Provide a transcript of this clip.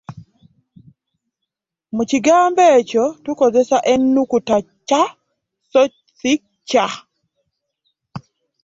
Mu kigambo ekyo, tukozesa ennukuta ‘c' so si ‘ky'.